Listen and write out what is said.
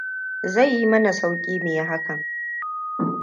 Zai yi mana sauƙi mu yi hakan.